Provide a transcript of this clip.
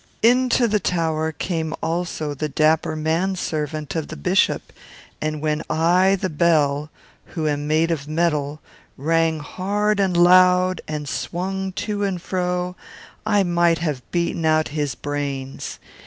"Into the tower came also the dapper man servant of the bishop; and when I, the Bell, who am made of metal, rang hard and loud, and swung to and fro, I might have beaten out his brains.